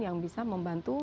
yang bisa membantu